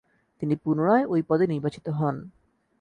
তিনি পুনরায় ঐ পদে নির্বাচিত হন।